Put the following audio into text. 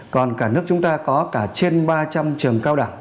còn cả nước chúng ta có cả trên ba trăm linh trường cao đẳng